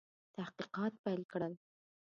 تحقیقات پیل کړل.